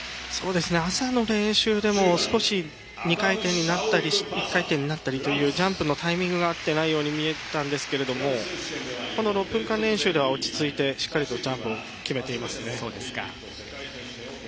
朝の練習でも少し、２回転になったり１回転になったりとジャンプのタイミングが合っていないように見えたんですがこの６分間練習では落ち着いてしっかりとジャンプを決めていますね。